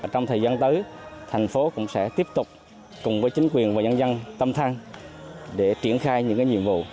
trong thời gian tới thành phố cũng sẽ tiếp tục cùng với chính quyền và nhân dân tâm thăng để triển khai những nhiệm vụ